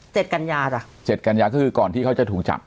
กัญญาจ้ะเจ็ดกัญญาก็คือก่อนที่เขาจะถูกจับ